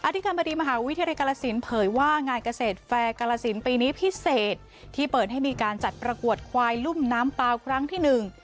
ธิการบดีมหาวิทยาลัยกาลสินเผยว่างานเกษตรแฟร์กาลสินปีนี้พิเศษที่เปิดให้มีการจัดประกวดควายลุ่มน้ำเปล่าครั้งที่หนึ่ง